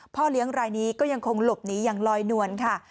เลี้ยงรายนี้ก็ยังคงหลบหนีอย่างลอยนวลค่ะ